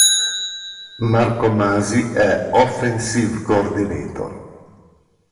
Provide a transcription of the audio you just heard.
Marco Masi è Offensive Coordinator.